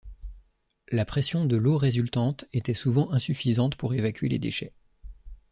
La pression de l'eau résultante était souvent insuffisante pour évacuer les déchets.